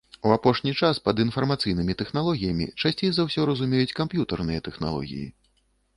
У апошні час пад інфармацыйнымі тэхналогіямі часцей за ўсё разумеюць камп'ютарныя тэхналогіі.